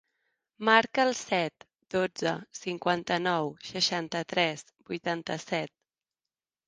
Marca el set, dotze, cinquanta-nou, seixanta-tres, vuitanta-set.